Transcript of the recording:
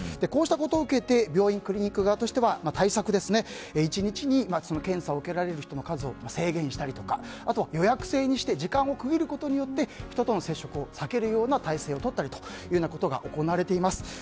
こうしたことを受けて病院、クリニック側としては対策１日に検査を受けられる人の数を制限したりとかあとは、予約制にして時間を区切ることによって人との接触を避けるような体制をとったりということが行われています。